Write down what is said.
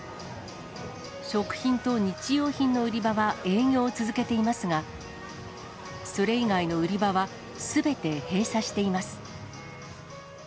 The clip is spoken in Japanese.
食品と日用品の売り場は営業を続けていますが、それ以外の売り場はすべて閉鎖しています。